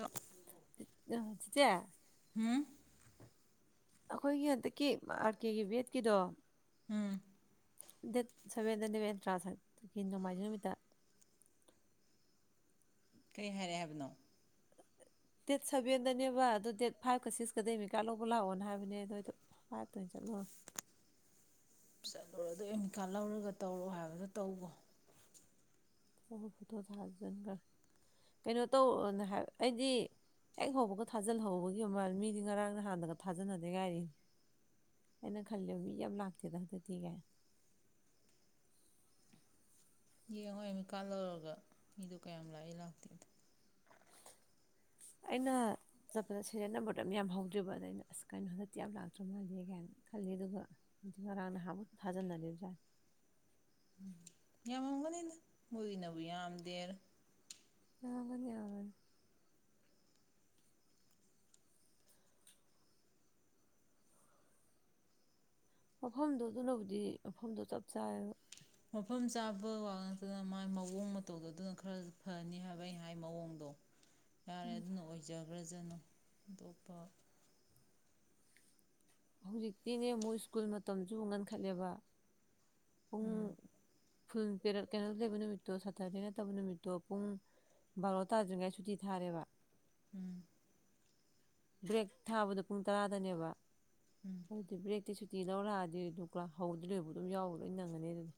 ꯑꯗꯣ ꯆꯤꯆꯦ ꯍꯝ ꯑꯩꯈꯣꯏꯒꯤ ꯍꯟꯗꯛꯀꯤ ꯑꯥꯔ ꯀꯦꯒꯤ ꯚꯦꯠꯀꯤꯗꯣ ꯎꯝ ꯗꯦꯠ ꯁꯦꯕꯦꯟꯗꯅꯦꯕ ꯑꯦꯟꯇ꯭ꯔꯥꯁ ꯍꯥꯏꯣ ꯅꯣꯡ ꯃꯥꯏꯖꯤꯡ ꯅꯨꯃꯤꯠꯇ ꯀꯩ ꯍꯥꯏꯔꯦ ꯍꯥꯏꯕꯅꯣ ꯗꯦꯠ ꯁꯚꯦꯟꯗꯅꯦꯕ ꯑꯗꯨ ꯗꯦꯠ ꯐꯥꯏꯚꯀ ꯁꯤꯛꯁꯀꯗ ꯑꯦꯠꯃꯤꯀꯥꯠ ꯂꯧꯕ ꯂꯥꯛꯑꯣꯅ ꯍꯥꯏꯕꯅꯦ ꯑꯗꯨꯣꯏꯗ ꯐꯥꯏꯚꯇ ꯑꯣꯏꯅ ꯆꯠꯂꯨꯔꯣ ꯆꯠꯂꯨꯔꯣ ꯑꯗꯨ ꯑꯦꯃꯤꯀꯥ ꯂꯧꯔꯒ ꯇꯧꯔꯣ ꯍꯥꯏꯕꯗꯣ ꯇꯧꯒꯣ ꯐꯣꯇꯣ ꯊꯥꯖꯤꯟꯈ꯭ꯔ ꯀꯩꯅꯣ ꯇꯧ ꯑꯩꯗꯤ ꯍꯦꯛ ꯍꯧꯕꯒ ꯊꯥꯖꯤꯜꯍꯧꯕꯒꯤ ꯑꯃ ꯃꯤꯗꯤ ꯉꯔꯥꯡ ꯅꯍꯥꯟꯗꯒ ꯊꯥꯖꯅꯗ ꯉꯥꯏꯔꯤ ꯑꯩꯅ ꯈꯜꯂꯦꯕ ꯃꯤ ꯌꯥꯝ ꯂꯥꯛꯇꯦꯗ ꯍꯟꯗꯛꯇꯤ ꯀꯥꯏ ꯌꯦꯡꯉꯣ ꯑꯦꯠꯃꯤꯀꯥꯠ ꯂꯧꯔꯒ ꯃꯤꯗꯣ ꯀꯌꯥꯝ ꯂꯥꯛꯏ ꯂꯥꯛꯇꯦꯗꯣ ꯑꯩꯅ ꯆꯠꯄꯗ ꯁꯦꯔꯦꯟ ꯅꯝꯕꯔꯗꯣ ꯌꯥꯝ ꯌꯥꯝ ꯍꯧꯗ꯭ꯔꯤꯕ ꯑꯗ ꯑꯩꯅ ꯑꯁ ꯀꯩꯅꯣ ꯍꯟꯗꯛꯇꯤ ꯌꯥꯝ ꯂꯥꯛꯇ꯭ꯔ ꯃꯥꯜꯂꯦ ꯀꯥꯏꯅ ꯈꯜꯂꯦ ꯑꯗꯨꯒ ꯉꯔꯥꯡ ꯅꯍꯥꯟꯃꯨꯛ ꯊꯥꯖꯟꯅꯔꯤꯕꯖꯥꯠꯅꯤ ꯌꯥꯃꯝꯒꯅꯤꯅ ꯃꯣꯏꯒꯤꯅꯕꯨ ꯌꯥꯝꯗꯦꯔ ꯌꯥꯃꯝꯒꯅꯤ ꯌꯥꯃꯅꯤ ꯃꯐꯝꯗꯣ ꯑꯗꯨꯅꯕꯨꯗꯤ ꯃꯐꯝꯗꯣ ꯆꯞ ꯆꯥꯏꯕ ꯃꯐꯝ ꯆꯥꯕ ꯋꯥ ꯅꯇꯅ ꯃꯒꯤ ꯃꯑꯣꯡ ꯃꯇꯧꯗꯣ ꯑꯗꯨꯅ ꯈꯔꯖꯨ ꯐꯅꯤ ꯍꯥꯏꯕ ꯑꯩꯅ ꯍꯥꯏ ꯃꯑꯣꯡꯗꯣ ꯌꯥꯔꯦ ꯎꯝ ꯑꯗꯨꯅ ꯑꯣꯏꯖ ꯔꯖꯅ ꯑꯇꯣꯞꯄ ꯍꯧꯖꯤꯛꯇꯤꯅꯦ ꯃꯣꯏ ꯁ꯭ꯀꯨꯜ ꯃꯇꯝꯖꯨ ꯉꯟꯈꯠꯂꯦꯕ ꯎꯨꯡ ꯎꯝ ꯐꯨꯜ ꯄꯦꯔꯠ ꯀꯩꯅꯣ ꯂꯩꯕ ꯅꯨꯃꯤꯠꯇꯣ ꯁꯥꯇꯗꯦ ꯅꯠꯇꯕ ꯅꯨꯃꯤꯠꯇꯣ ꯄꯨꯡ ꯕꯥꯔꯣ ꯇꯥꯗ꯭ꯔꯤꯉꯥꯏ ꯁꯨꯇꯤ ꯊꯥꯔꯦꯕ ꯎꯝ ꯕ꯭ꯔꯦꯛ ꯊꯥꯕꯗꯣ ꯄꯨꯡ ꯇꯔꯥꯗꯅꯦꯕ ꯍꯧꯇꯤ ꯕꯔꯦꯛꯇ ꯇꯤ ꯂꯧꯔꯛꯑꯗꯤ ꯑꯗꯨꯒ ꯍꯧꯗ꯭꯭ꯔꯦꯕꯨ ꯑꯗꯨꯝ ꯌꯥꯎꯕ ꯂꯣꯏ ꯅꯪꯉꯅꯤ ꯑꯗꯨꯗꯤ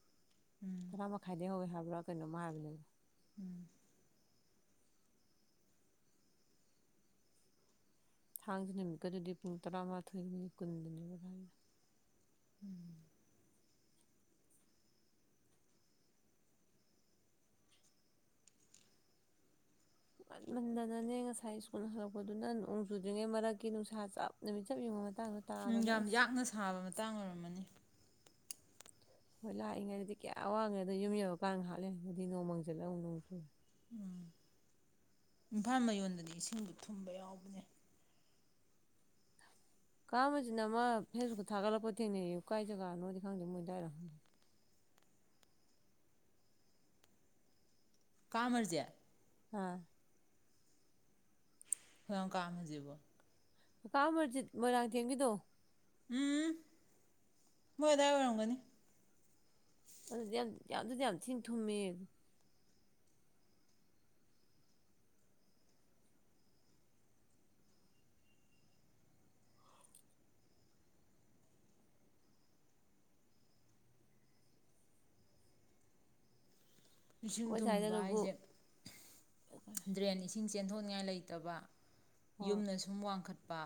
ꯎꯝ ꯇꯔꯥ ꯃꯈꯥꯏꯗꯩ ꯍꯋ ꯍꯥꯏꯕ ꯄꯨꯕ꯭ꯔꯥ ꯀꯩꯅꯣꯝꯃ ꯍꯥꯏꯕꯅꯦ ꯎꯝ ꯊꯥꯡꯖ ꯅꯨꯃꯤꯠꯀꯗꯨꯗꯤ ꯄꯨꯡ ꯇꯔꯥꯃꯥꯊꯣꯏ ꯃꯤꯅꯥꯠ ꯀꯨꯟꯗꯅꯦꯕ ꯍꯥꯏꯔꯤꯗꯣ ꯎꯝ ꯃꯟꯃꯟꯗꯅꯅꯦ ꯉꯁꯥꯏ ꯁ꯭ꯀꯨꯜ ꯍꯜꯂꯛꯄꯗꯨꯅ ꯅꯣꯡ ꯆꯨꯗ꯭ꯔꯤꯉꯩ ꯃꯔꯛꯀꯤ ꯅꯨꯡꯁꯥ ꯆꯞ ꯅꯨꯃꯤꯠ ꯆꯞ ꯌꯨꯡꯕꯥ ꯃꯥ ꯎꯝ ꯌꯥꯝ ꯌꯥꯛꯅ ꯁꯥꯕ ꯃꯇꯥꯡ ꯑꯣꯏꯔꯝꯃꯅꯤ ꯍꯣꯏ ꯂꯥꯛꯏꯉꯩꯗꯗꯤ ꯀꯌꯥ ꯋꯥꯡꯉꯦ ꯑꯗꯣ ꯌꯨꯝ ꯌꯧꯔꯀꯥꯟꯗ ꯍꯥꯠꯂꯦ ꯑꯗꯨꯗꯤ ꯅꯣꯡꯃꯪꯤꯠꯂ ꯑꯃꯨ ꯅꯣꯡ ꯆꯨꯔꯦ ꯎꯝ ꯏꯝꯐꯥꯜ ꯃꯌꯣꯟꯗꯗꯤ ꯏꯁꯤꯡꯗꯨ ꯊꯨꯝꯕ ꯌꯥꯎꯕꯅꯦ ꯀꯥꯝꯃꯁꯤꯅ ꯑꯃ ꯐꯦꯁꯕꯨꯛꯇ ꯊꯥꯒꯠꯂꯛꯄ ꯊꯦꯡꯅꯩ ꯀꯥꯏꯖꯒꯥꯥꯅꯣꯗꯤ ꯈꯪꯗꯦ ꯃꯣꯏ ꯑꯗꯨꯗꯥꯏꯔ ꯈꯪꯗꯦ ꯀꯥ ꯃꯔꯖꯤ ꯍꯥ ꯍꯥ ꯀꯅꯥꯅꯣ ꯀꯥ ꯑꯃꯖꯤꯠ ꯕꯨ ꯀꯥ ꯀꯥ ꯑꯃꯔꯖꯤꯠ ꯃꯣꯏꯔꯥꯡꯊꯦꯝꯒꯤꯗꯣ ꯎꯝ ꯅꯣꯏ ꯑꯗꯥꯏ ꯑꯣꯏꯔꯝꯒꯅꯤ ꯑꯗꯨꯗꯤ ꯌꯥꯝ ꯑꯗꯨꯗꯤ ꯌꯥꯝ ꯊꯤꯟ ꯊꯨꯝꯃꯦ ꯏꯁꯤꯡ ꯊꯨꯝꯕ ꯁ꯭ꯋꯥꯏꯗꯅꯕꯨ ꯍꯥꯏꯁꯦ ꯗ꯭ꯔꯦꯟ ꯏꯁꯤꯡ ꯆꯦꯟꯊꯣꯛ ꯅꯤꯡꯉꯥꯏ ꯂꯩꯇꯕ ꯍꯣꯏ ꯌꯨꯝꯗ ꯁꯨꯝ ꯋꯥꯡꯈꯠ ꯄꯥ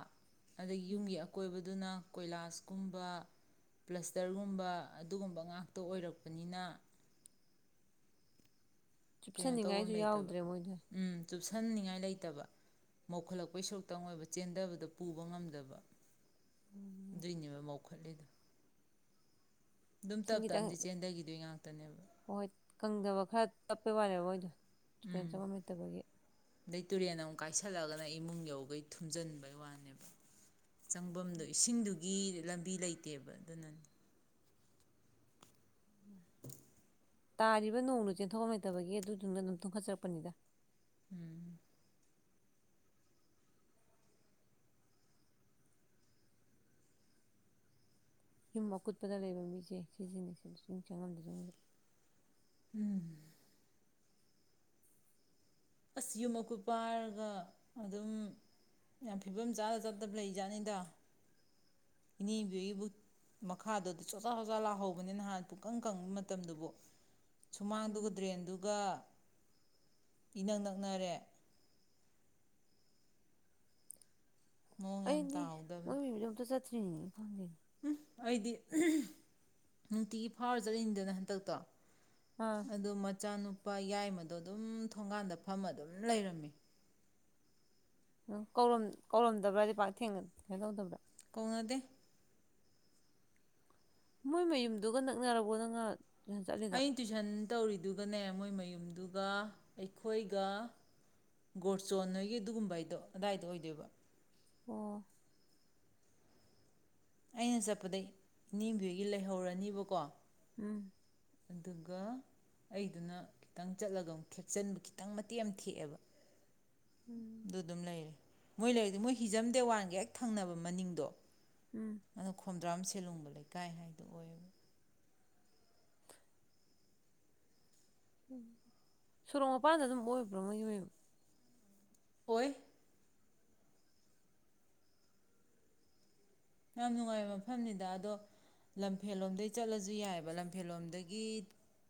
ꯑꯗꯗꯒꯤ ꯌꯨꯝꯒꯤ ꯎꯝ ꯑꯀꯣꯏꯕꯗꯨꯅ ꯀꯣꯏꯂꯥꯁꯀꯨꯝꯕ ꯄ꯭ꯂꯁꯇꯔꯒꯨꯝꯕ ꯑꯗꯨꯒꯨꯝꯕ ꯉꯥꯛꯇ ꯑꯣꯏꯔꯛꯄꯅꯤꯅ ꯆꯨꯞꯁꯟꯅꯤꯡꯉꯥꯏꯁꯨ ꯌꯥꯎꯗ꯭ꯔꯦ ꯃꯣꯏꯗꯣ ꯆꯨꯞꯁꯟꯅꯤꯉꯥꯏ ꯂꯩꯇꯕ ꯃꯧꯈꯠꯂꯛꯄꯩ ꯁꯔꯨꯛꯇꯪ ꯑꯣꯏꯕ ꯆꯦꯟꯗꯕꯗ ꯄꯨꯕ ꯉꯝꯗꯕ ꯑꯗꯨꯏꯅꯦꯕꯥ ꯃꯧ ꯂꯧꯈꯠꯂꯤꯗꯣ ꯑꯗꯨꯝ ꯏꯁꯤꯡ ꯇꯞ ꯈꯤꯇꯪ ꯇꯞꯅꯥꯗꯤ ꯆꯦꯟꯗꯈꯤꯗꯣꯏ ꯉꯥꯛꯇꯅꯦꯕ ꯍꯣꯏ ꯀꯪꯗꯕ ꯈꯔ ꯇꯞꯄꯩ ꯋꯥꯅꯦꯕ ꯃꯣꯏꯗꯣ ꯆꯨꯀꯦꯟ ꯆꯪꯐꯝ ꯂꯩꯇꯕꯒꯤ ꯑꯗꯩ ꯇꯨꯔꯦꯟ ꯑꯃꯨꯛ ꯀꯥꯏꯁꯜꯂꯒꯅ ꯏꯃꯨꯡ ꯌꯧꯈꯩ ꯊꯨꯝꯖꯤꯟꯕꯩ ꯋꯥꯅꯦꯕ ꯆꯪꯕꯝꯗꯣ ꯏꯁꯤꯡꯗꯨ ꯒꯤ ꯂꯝꯕꯤ ꯂꯩꯇꯦꯕ ꯑꯗꯨꯅꯅꯤ ꯇꯥꯔꯤꯕ ꯅꯣꯡꯗꯨ ꯆꯦꯟꯊꯣꯛꯐꯝ ꯂꯩꯇꯕꯒꯤ ꯑꯗꯨꯗꯨꯅ ꯑꯗꯨꯝ ꯊꯨꯡꯈꯠꯆꯔꯛꯄꯅꯤꯗ ꯎꯝ ꯌꯨꯝ ꯑꯀꯨꯠꯄꯗ ꯂꯩꯕ ꯃꯤꯁꯦ ꯁꯤꯖꯤꯟꯅꯩꯁꯤꯗ ꯁꯨꯝ ꯆꯪꯉꯝꯗꯖꯠꯂꯥ ꯎꯝ ꯑꯁ ꯌꯨꯝ ꯑꯀꯨꯠꯄ ꯍꯥꯏꯔꯒ ꯑꯗꯨꯝ ꯌꯥꯝ ꯐꯤꯕꯝ ꯆꯥꯗ ꯆꯠꯇꯕ ꯂꯩꯖꯥꯠꯅꯤꯗ ꯏꯅꯦꯕꯤꯕꯨ ꯃꯈꯥꯗꯣꯗꯤ ꯆꯣꯠꯖꯥꯠ ꯍꯣꯖꯥ ꯂꯥꯛꯍꯧꯕꯅꯤ ꯅꯍꯥꯟ ꯄꯨꯀꯪ ꯀꯪꯕ ꯃꯇꯝꯗꯨꯕꯨ ꯁꯨꯃꯥꯡꯗꯨꯒ ꯎꯝ ꯗ꯭ꯔꯦꯟꯗꯨꯒ ꯏꯅꯛ ꯅꯛꯅꯔꯦ ꯃꯑꯣꯡ ꯌꯥꯝ ꯑꯩꯗꯤ ꯃꯣꯏ ꯃꯌꯨꯝꯗꯣ ꯑꯝꯇ ꯆꯠ ꯆꯤ ꯈꯪꯗꯦ ꯎꯝ ꯑꯩꯗꯤ ꯎꯝꯍ ꯅꯨꯡꯇꯤꯒꯤ ꯐꯥꯎꯔꯥ ꯆꯠꯂꯤꯅꯤꯗꯅ ꯍꯟꯗꯛꯇꯣ ꯑꯥ ꯑꯗ‌ꯣ ꯃꯆꯥꯅꯨꯄꯥ ꯅꯨꯄꯥ ꯌꯥꯏꯃꯗꯣ ꯑꯗꯨꯝ ꯊꯣꯡꯒꯥꯟꯗ ꯐꯝꯃ ꯑꯗꯨꯝ ꯂꯩꯔꯝꯃꯤ ꯀꯧꯔꯝ ꯀꯧꯔꯝꯗꯕ꯭ꯔꯥꯗꯤ ꯄꯥꯛ ꯊꯦꯡꯅ ꯀꯩꯅꯣ ꯇꯧꯗꯕ꯭ꯔꯥ ꯀꯧꯅꯥꯗꯦ ꯃꯣꯏ ꯃꯌꯨꯝꯗꯨꯒ ꯅꯛꯅꯔꯕꯣ ꯅꯪꯅ ꯆꯠꯂꯤꯗꯣ ꯑꯩ ꯇꯨꯏꯁꯟ ꯇꯧꯔꯤ ꯗꯨꯒꯅꯦ ꯃꯣꯏ ꯃꯌꯨꯝꯗꯨꯒ ꯑꯩꯈꯣꯏꯒ ꯒꯣꯔꯆꯣꯟꯍꯣꯏꯒꯤ ꯑꯗꯨꯒꯨꯝꯕꯩꯗꯣ ꯑꯗꯥꯏꯗ ꯑꯣꯏꯗꯣꯏꯕ ꯑꯣ ꯑꯩꯅ ꯆꯠꯄꯗ ꯏꯅꯦꯝꯕꯤ ꯍꯣꯏꯒꯤ ꯂꯩꯍꯧꯔꯅꯤꯕꯀꯣ ꯎꯝ ꯑꯗꯨꯒ ꯑꯩꯗꯨꯅ ꯈꯤꯠꯇꯪ ꯆꯠꯂꯒ ꯑꯃꯨꯛ ꯊꯦꯛꯆꯟꯕ ꯈꯤꯇꯪ ꯃꯇꯦꯛ ꯑꯃ ꯊꯦꯛꯑꯦꯕ ꯎꯝ ꯑꯗꯨ ꯑꯗꯨꯝ ꯂꯩꯔꯦ ꯃꯣꯏ ꯂꯩꯔꯤꯗꯤ ꯃꯣꯏ ꯍꯤꯖꯝ ꯗꯦꯋꯥꯟꯒꯤ ꯍꯦꯛ ꯊꯪꯅꯕ ꯃꯅꯤꯡꯗꯣ ꯎꯝ ꯑꯗꯨ ꯈꯣꯝꯗ꯭ꯔꯥꯝ ꯁꯦꯂꯣꯡꯕ ꯂꯩꯀꯥꯏ ꯍꯥꯏꯗ‌ꯣ ꯑꯣꯏꯌꯦꯕ ꯎꯝ ꯁꯣꯔꯣꯛ ꯃꯄꯥꯟꯗ ꯑꯗꯨꯝ ꯑꯣꯏꯕ꯭ꯔꯣ ꯃꯣꯏꯒꯤ ꯃꯌꯨꯝ ꯑꯣꯏ ꯌꯥꯝ ꯅꯨꯡꯉꯥꯏꯕ ꯃꯐꯝꯅꯤꯗ ꯑꯗꯣ ꯂꯝꯐꯦꯜ ꯂꯣꯝꯗꯩ ꯆꯠꯂꯖꯨ ꯌꯥꯏꯌ‌ꯦꯕ ꯂꯝꯐꯦꯜꯂꯣꯝꯗꯒꯤ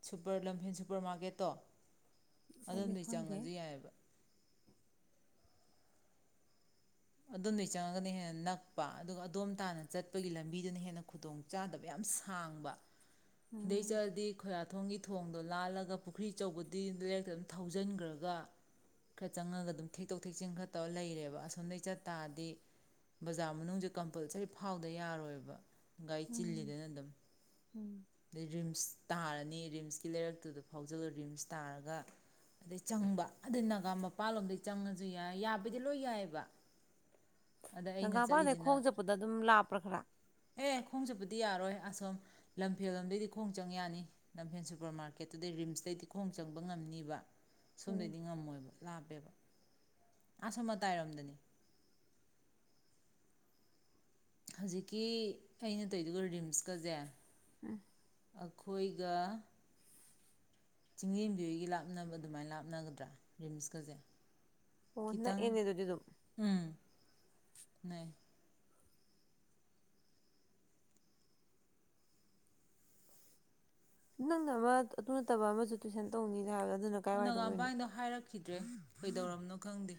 ꯁꯨꯄꯔ ꯂꯝꯐꯦꯟ ꯁꯨꯄꯔ ꯃꯥꯔꯀꯦꯠꯇꯣ ꯑꯩꯗꯤ ꯑꯗꯣꯝꯗꯩ ꯈꯪꯗꯦ ꯆꯪꯉꯖꯨ ꯌꯥꯏꯑꯦꯕ ꯑꯗꯣꯝꯗꯩ ꯆꯪꯉꯒꯅ ꯍꯦꯟꯅ ꯅꯛꯄ ꯑꯗꯨꯒ ꯑꯗꯣꯝ ꯇꯥꯟꯅ ꯆꯠꯄꯒꯤ ꯂꯝꯕꯤꯗꯨꯅ ꯍꯦꯟꯅ ꯈꯨꯗꯣꯡ ꯆꯥꯗꯕ ꯌꯥꯝ ꯁꯥꯡꯕ ꯑꯗꯩ ꯎꯝ ꯆꯠꯂꯗꯤ ꯈꯣꯏꯌꯥꯊꯣꯡꯒꯤ ꯊꯣꯡꯗꯣ ꯂꯥꯜꯂꯒ ꯄꯨꯈ꯭ꯔꯤ ꯑꯆꯧꯕꯗꯤ ꯂꯩꯔꯛꯇ ꯑꯗꯨꯝ ꯊꯧꯖꯟꯒ꯭ꯔꯒ ꯈꯔ ꯆꯪꯉꯒ ꯑꯗꯨꯝ ꯊꯦꯛꯇꯣꯛ ꯊꯦꯛꯆꯤꯟ ꯈꯔ ꯇꯧꯔ ꯂꯩꯔꯦꯕ ꯑꯁꯣꯝꯗꯒꯤ ꯆꯠ ꯇꯥꯔꯗꯤ ꯕꯖꯥꯔ ꯃꯅꯨꯡꯖꯨ ꯀꯝꯄꯜꯁꯔꯤ ꯐꯥꯎꯗ ꯌꯥꯔꯣꯏꯕ ꯒꯥꯔꯤ ꯎꯝ ꯆꯤꯜꯂꯤꯗꯅ ꯑꯗꯨꯝ ꯎꯝ ꯑꯗꯩ ꯔꯤꯝꯁ ꯇꯥꯔꯅꯤ ꯔꯤꯝꯁꯀꯤ ꯂꯩꯔꯛꯇꯨꯗ ꯐꯥꯎꯖꯜꯂ ꯔꯤꯝꯁ ꯇꯥꯔꯒ ꯑꯗꯩ ꯆꯪꯕ ꯑꯗꯩ ꯅꯥꯒꯥ ꯃꯄꯥꯜꯂꯣꯝꯗꯩ ꯆꯪꯉꯖꯨ ꯌꯥꯏ ꯌꯥꯕꯩꯗꯤ ꯂꯣꯏ ꯌꯥꯏꯑꯦꯕ ꯅꯒꯥꯃꯄꯥꯜꯗꯩ ꯈꯣꯡꯅ ꯆꯠꯄꯗ ꯑꯗꯨꯝ ꯂꯥꯞꯄ꯭ꯔꯥ ꯈꯔ ꯑꯦ ꯈꯣꯡ ꯆꯠꯄꯗꯤ ꯌꯥꯔꯣꯏ ꯑꯁꯣꯝ ꯂꯝ ꯂꯝꯐꯦꯜꯂꯣꯝꯗꯩꯗꯤ ꯈꯣꯡ ꯆꯪ ꯌꯥꯅꯤ ꯂꯝꯐꯦꯟ ꯁꯨꯄꯔ ꯃꯥꯔꯀꯦꯠꯇꯨꯗꯩ ꯔꯤꯝꯁꯇꯩꯩꯗꯤ ꯈꯣꯡ ꯆꯪꯕ ꯉꯝꯅꯤꯕ ꯎꯝ ꯁꯣꯝꯗꯩꯗꯤ ꯉꯝꯃꯣꯏꯕ ꯂꯥꯞꯄꯦꯕ ꯑꯁꯣꯝ ꯃꯇꯥꯏꯔꯣꯝꯗꯅꯦ ꯍꯧꯖꯤꯛꯀꯤ ꯑꯩꯅ ꯇꯧꯏꯗꯨꯒ ꯔꯤꯝꯁꯀꯖꯦ ꯎꯝ ꯑꯈꯣꯏꯒ ꯆꯤꯡꯂ‌ꯦꯝꯕꯤꯍꯣꯏꯒꯤ ꯂꯥꯞꯅꯕ ꯑꯗꯨꯃꯥꯏ ꯂꯥꯞꯅꯒꯗ꯭ꯔꯥ ꯔꯤꯝꯁꯀꯖꯦ ꯑꯣ ꯅꯛꯑꯦꯅꯦ ꯑꯗꯨꯗꯤ ꯑꯗꯨꯝ ꯅꯛꯑꯦ ꯅꯪꯅ ꯑꯃ ꯑꯗꯨ ꯅꯠꯇꯕ ꯑꯃꯖꯨ ꯇꯨꯏꯁꯟ ꯇꯧꯅꯤ ꯑꯣ ꯅꯒꯥꯝꯄꯥꯟꯒꯤꯗꯣ ꯍꯥꯏꯔꯛꯈꯤꯗ꯭ꯔꯦ꯫ ꯀꯩꯗꯧꯔꯕꯅꯣ ꯈꯪꯗꯦ꯫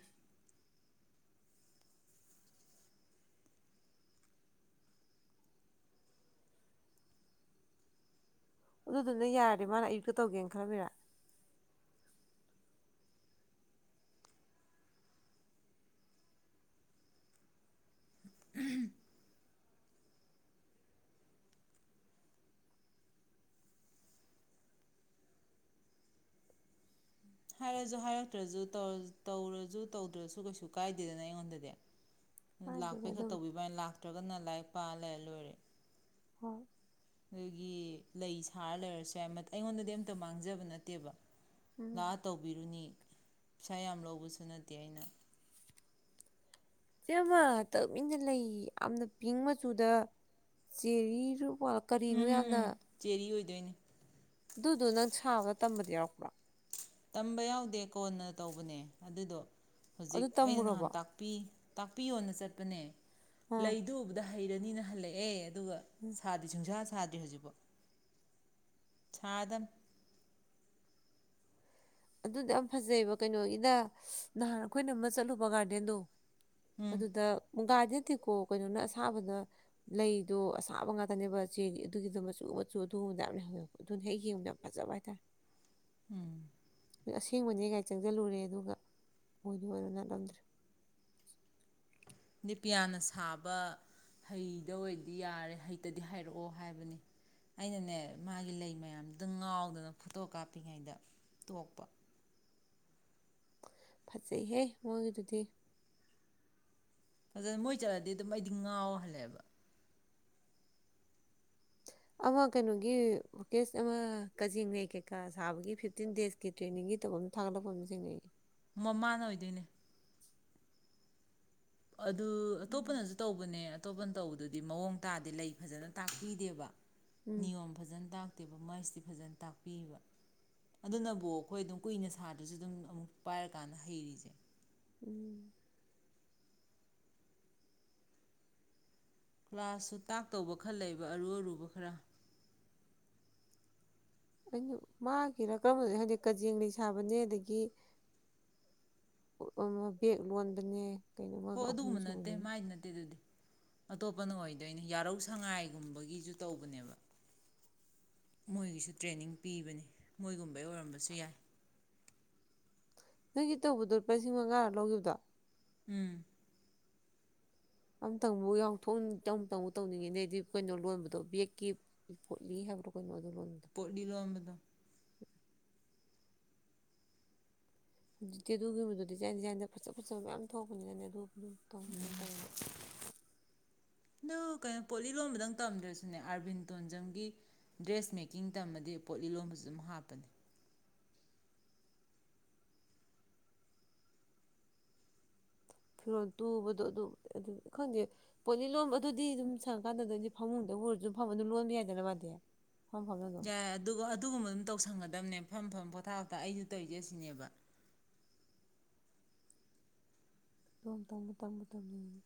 ꯑꯗꯨꯗꯨꯅ ꯌꯥꯔꯗꯤ ꯃꯥꯅ ꯑꯌꯨꯛꯀ ꯇꯧꯒꯦꯅ ꯈꯜꯂꯝꯃꯤꯔ꯫ ꯍꯥꯏꯔꯁꯨ ꯍꯥꯏꯔꯛꯇ꯭ꯔꯁꯨ ꯇꯧꯔꯁꯨ ꯇꯧꯗ꯭ꯔꯁꯨ ꯀꯩꯁꯨ ꯀꯥꯏꯗꯦꯗꯅ ꯑꯩꯉꯣꯟꯗꯗꯤ꯫ ꯃꯥꯟꯗꯦꯗ ꯂꯥꯛꯄꯩ ꯈꯔ ꯑꯗꯨꯕꯨꯗꯤ ꯇꯧꯕꯤꯕꯅꯤ ꯂꯥꯛꯇ꯭ꯔꯒꯅ ꯂꯥꯛ ꯄꯥ ꯂꯩꯔ ꯂꯣꯏꯔꯦ꯫ ꯍꯣꯏ꯫ ꯗꯒꯤ ꯂꯩ ꯁꯥꯔ ꯂꯩꯔꯁꯨ ꯌꯥꯏ ꯑꯩꯉꯣꯟꯗꯗꯤ ꯑꯃꯝꯇ ꯃꯥꯡꯖꯕ ꯅꯠꯇꯦꯕ꯫ ꯎꯝ ꯂꯥꯛꯑ ꯇꯧꯕꯤꯔꯨꯅꯤ꯫ ꯄꯩꯁꯥ ꯌꯥꯝ ꯂꯧꯕꯁꯨ ꯅꯠꯇꯦ ꯑꯩꯅ꯫ [unintelligible] ꯂꯩ ꯌꯥꯝꯅ ꯄꯤꯡ ꯃꯆꯨꯗ ꯆꯦꯔꯤꯔ꯫ ꯀꯔꯤꯅꯣ ꯌꯥꯝꯅ꯫ ꯗꫭꯏꯅꯤ꯫ ꯑꯗꯨꯗꫭ ꯅꯪ ꯁꯥꯕꯗ ꯇꯝꯕꯗꯤ ꯌꯥꯎꯔꯛꯄ꯭ꯔꫭ꯫ ꯇꯝꯕ ꯌꯥꯎꯗꯦ ꯀꯣꯟꯅ ꯇꯧꯕꯅꯦ ꯑꯗꯨꯗꯣ꯫ ꯑꯗꯨ ꯍꯧꯖꯤꯛ ꯑꯩꯅ ꯅꯍꯥꯟ ꯇꯝꯃꯨꯔꯕꯣ ꯇꯥꯛꯄꯤ꯫ ꯇꯥꯛꯄꯤꯌꯣꯅ ꯆꯠꯄꯅꯦ꯫ ꯑꯥ ꯂꯩꯗꯨ ꯎꯕꯗ ꯍꯩꯔꯅꯤꯅ ꯍꯜꯂꯛꯑꯦ ꯑꯗꯨꯒ ꯑꯥ. ꯁꯥꯗꯤ ꯁꯨꯡꯁꯥ ꯁꯥꯗ꯭ꯔꯤ ꯍꯧꯖꯤꯛꯐꯧ꯫ ꯁꯥꯔꯗꯝꯅꯤ꯫ ꯑꯗꯨꯗꫭ ꯌꯥꯝ ꯐꯖꯩꯕ ꯀꯩꯅꯣꯒꯤꯗ ꯅꯍꯥꯟ ꯑꯈꯣꯏꯅ ꯑꯃ ꯆꯠꯂꯨꯕ ꯒꯥꫪꯗꯦꯟꯗꯣ ꯎꯝ ꯑꯗꯨꯗ ꯃꯨꯒꯥꯗꯤ ꯅꯠꯇꯦꯀꯣ ꯀꯩꯅꯣꯅ ꯑꯁꯥꯕꯗ ꯂꯩꯗꯣ ꯑꯁꯥꯕ ꯉꯥꯛꯇꯅꯦꯕ ꯆꯦ ꯑꯗꯨꯒꯤꯗꯣ ꯃꯆꯨ ꯃꯆꯨ ꯑꯗꯨꯒꯨꯝꯕꯗ ꯌꯥꯝ ꯂꯩꯍꯧꯋꯦ ꯑꯗꯨꯅ ꯍꯦꯛ ꯌꯦꯡꯕꯗ ꯌꯥꯝ ꯐꯖꯕ ꯍꯥꯏꯇꯥꯔꯦ꯫ ꯎꯝ꯫ ꯑꯁꯦꯡꯕꯅꯦ ꯀꯥꯏ ꯆꯪꯁꯤꯜꯂꯨꯔꯦ ꯑꯗꯨꯒ ꯑꫭꯏꯁꯨ ꯑꫭꯏꯔꯝꯗꯦ ꯅꯥꯠꯂꯝꯗ꯭ꯔꯦ꯫ ꯄꯤꯌꯥꯅ ꯁꯥꯕ ꯍꯩꯗ ꯑꯣꯏꯗꯤ ꯌꯥꯔꯦ ꯍꯩꯇꯗꯤ ꯍꯩꯔꯛꯑꯣ ꯍꯥꯏꯕꯅꯤ ꯑꯩꯅꯅꯦ ꯃꯥꯒꯤ ꯂꯩ ꯃꯌꯥꯝꯗꯨꯗ ꯉꯥꯎꯗꯅ ꯐꯣꯇꯣ ꯀꯥꯞꯄꯤꯉꯩꯗ ꯇꯣꯛꯄ꯫ ꯐꯖꯩꯍꯦ ꯃꯣꯏꯒꯤꯗꯨꯗꯤ꯫ ꯑꯗꯨꯅꯦ ꯃꯣꯏ ꯆꯠꯂꯗꯤ ꯑꯗꯨꯝ ꯑꯩꯗꯤ ꯉꯥꯎꯔ ꯍꯜꯂꯦꯕ꯫ ꯑꯃ ꯀꯩꯅꯣꯒꯤꯀꯦꯁ ꯑꯃ ꯀꯖꯦꯡꯅꯩ ꯀꯩꯀꯥ ꯁꯥꯕꯒꯤ ꯐꯤꯞꯇꯤꯟ ꯗꯦꯖꯀꯤ ꯇ꯭ꯔꯦꯅꯤꯡꯒꯤ ꯇꯧꯕ ꯑꯃ ꯊꯥꯒꯠꯂꯛꯄ ꯊꯦꯡꯅꯩꯌꯦ꯫ ꯃꯃꯥꯅ ꯑꯣꯏꯗꯣꯏꯅꯦ꯫ ꯑꯗꯨ ꯎꯝ ꯑꯇꯣꯞꯄꯅꯁꯨ ꯇꯧꯕꯅꯦ ꯑꯇꯣꯞꯄꯅ꯫ ꯇꯧꯕꯗꯨꯗꯤ ꯃꯑꯣꯡ ꯇꯥꯗꯦ ꯂꯩ ꯐꯖꯅ ꯇꯥꯛꯄꯤꯗꯦꯕ꯫ ꯎꯝ ꯅꯤꯌꯣꯝ ꯐꯖꯅ ꯇꯥꯛꯇꯦꯕ ꯃꯥꯏꯁꯤ ꯐꯖꯅ ꯇꯥꯛꯄꯤꯌꯦꯕ ꯑꯗꯨꯅꯕꯨ ꯑꯈꯣꯏ ꯑꯗꯨꯝ ꯀꯨꯏꯅ ꯁꯥꯗ꯭ꯔꯁꯨ ꯑꯗꯨꯝ ꯑꯃꯨꯛ ꯄꯥꯏꯔꯀꯥꯟꯗ ꯍꯩꯔꯤꯁꯦ꯫ ꯎꯝ꯫ ꯀ꯭ꯂꯥꯁꯁꯨ ꯇꯥꯛꯇꯧꯕ ꯈꯔ ꯂꯩꯕ ꯑꯔꯨ ꯑꯔꯨꯕ ꯈꯔ꯫ ꯑꯩꯅ ꯃꯥꯒꯤꯔ ꯀꯔꯝꯕꯅꫭ ꯈꯪꯗꯦ ꯀꯖꯦꯡ ꯂꯩꯁꯥꯕꯅꯦ ꯑꯗꯒꯤ ꯕꯦꯛ ꯂꯣꯟꯕꯅꯦ ꯀꯩꯅꯣ ꯍꯣ ꯃꯥꯒ ꯑꯍꯨꯝ ꯑꯗꯨꯒꯨꯝꯕ ꯅꯠꯇꯦ ꯁꯨꯕꯅꯤꯅꯦ ꯃꯥꯏꯗꯤ ꯅꯠꯇꯦ ꯑꯗꯨꯗꯤ꯫ ꯑꯇꯣꯞꯄꯅ ꯑꯣꯏꯗꯣꯏꯅꯤ ꯌꯥꯔꯧ ꯁꯉꯥꯏꯒꯨꯝꯕꯒꯤꯁꯨ ꯇꯧꯕꯅꯦꯕ ꯃꯣꯏꯒꯤꯁꯨ ꯇ꯭ꯔꯦꯅꯤꯡ ꯄꯤꯕꯅꯤ ꯃꯣꯏꯒꯨꯝꯕꯩ ꯑꯣꯏꯔꯝꯕꯁꯨ ꯌꯥꯏ ꯅꯪꯒꯤ ꯇꯧꯕꯗꯣ ꯂꯨꯄꯥ ꯂꯤꯁꯤꯡ ꯃꯉꯥ ꯂꯧꯈꯤꯕꯗꯣ ꯎꯝ ꯑꯃꯝꯇꯪꯕꯨ ꯌꯥꯎꯊꯣꯛꯅꯤꯡ ꯑꯃꯨꯛꯇꯪꯕꯨ ꯇꯧꯅꯤꯡꯉꯤꯅꯦ ꯍꯥꯏꯗꯤ ꯀꯩꯅꯣ ꯂꯣꯟꯕꯗꯣ ꯕꯦꯦꯛꯀꯤ ꯄꯣꯠꯂꯤ ꯍꯥꯏꯕ꯭ꯔꯣ ꯀꯩꯅꯣ ꯄꯣꯠ ꯂꯤ ꯂꯣꯡꯕꯗꯣ [unintelligible] ꯍꯧꯛꯇꯦ ꯑꯗꯨꯒꯤꯨꯝꯕꯗꯣ ꯗꯤꯖꯥꯏꯟ ꯗꯤꯖꯥꯏꯟꯗ ꯐꯖ ꯐꯖꯕ ꯃꯌꯥꯝ ꯊꯣꯛꯄꯅꯤꯅꯅꯦ ꯑꯗꯨ ꯑꯗꯨ ꯇꯧ ꯇꯧ ꯑꯗꯨ ꯀꯩꯅꯣ ꯄꯣꯠ ꯂꯤ ꯂꯣꯟꯕꯗꯪ ꯇꯝꯗ꯭ꯔꯁꯨꯅꯦ ꯑꯥꯔꯕꯤꯟ ꯇꯣꯟꯖꯝꯒꯤ ꯗ꯭ꯔꯦꯁ ꯃꯦꯀꯤꯡ ꯇꯝꯃꯗꯤ ꯄꯣꯠ ꯂꯤ ꯂꯣꯟꯕꯁꯨ ꯑꯗꯨꯝ ꯍꯥꯞꯄꯅꯦ ꯐꯤꯔꯣꯜ ꯇꯨꯕꯗꯣ ꯑꯗꯨ ꯑꯗꯨ ꯈꯪꯗꯦ ꯄꯣꯠꯂꯤ ꯂꯣꯟꯕ ꯑꯗꯨꯗꯤ ꯑꯗꯨꯝ ꯁꯪꯉꯀꯥꯟꯗꯗꯤ ꯐꯃꯨꯡꯗ ꯍꯔꯁꯨ ꯐꯃ ꯑꯗꯨꯝ ꯂꯣꯟꯕ ꯌꯥꯏꯗꯅ ꯃꯥꯥꯟꯗꯤꯦ ꯌꯥꯏ ꯑꯗꯨꯒ ꯑꯗꯨꯒꯨꯝꯕ ꯑꯗꯨꯝ ꯇꯧꯁꯪꯒꯗꯕꯅꯦ ꯐꯝ ꯐꯝ ꯄꯣꯊꯥꯞꯇ ꯑꯩꯁꯨ ꯇꯧꯖꯦ ꯁꯤꯅꯦꯕ ꯑꯗꯨꯣꯡ ꯇꯕꯨ ꯇꯪꯕꯨ ꯇꯝꯅꯤꯡꯉꯤ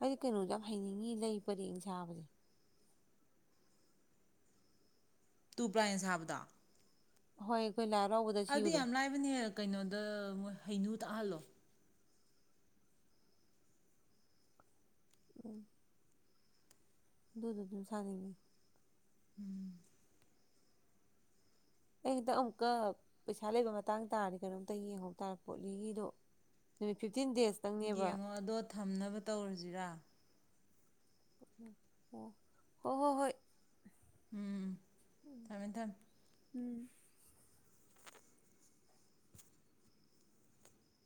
ꯑꯩꯗꯤ ꯀꯩꯅꯣꯗ ꯌꯥꯝ ꯍꯩꯅꯤꯡꯉꯤ ꯂꯩ ꯄꯔꯦꯡ ꯁꯥꯕꯁꯦ ꯇꯨ ꯄ꯭ꯔꯥꯏꯟꯁ ꯁꯥꯕꯗꯣ ꯍꯣꯏ ꯑꯩꯈꯣꯏ ꯂꯥꯏ ꯍꯔꯥꯎꯕꯗ ꯑꯗꯨ ꯁꯤꯕꯗꯣ ꯌꯥꯝ ꯂꯥꯏꯕꯅꯦꯍ ꯀꯩꯅꯣꯗ ꯃꯣꯏ ꯍꯩꯅꯨ ꯇꯥꯜꯂꯣ ꯎꯝ ꯗꯗꯨꯗ ꯁꯅꯅꯤ ꯎꯝ ꯑꯩ ꯍꯦꯛꯇ ꯑꯃꯨꯛꯀ ꯄꯩꯁꯥ ꯂꯩꯕ ꯃꯇꯥꯡ ꯇꯥꯔꯗꯤ ꯀꯩꯅꯣꯝꯇ ꯌꯦꯡꯍꯧ ꯇꯥꯔ ꯄꯣꯠꯂꯤꯒꯤꯗꯣ ꯅꯨꯃꯤꯠ ꯗꯦꯖꯇꯪꯅꯦꯕ ꯌꯦꯡꯉꯣ ꯑꯗꯣ ꯊꯝꯅꯕ ꯇꯧꯔꯁꯤꯔꯥ ꯑꯣ ꯍ ꯍꯣ ꯍꯣꯏ ꯎꯝ ꯊꯃꯦ ꯊꯝ ꯎꯝ